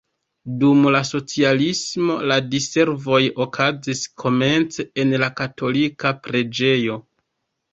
Dum la socialismo la diservoj okazis komence en la katolika preĝejo.